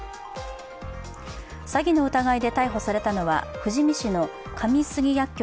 詐欺の疑いで逮捕されたのは富士見市の上杉薬局